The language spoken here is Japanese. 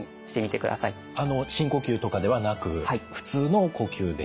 深呼吸とかではなく普通の呼吸で？